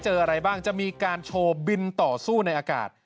จะมีการโชว์บินต่อสู้ในอากาศ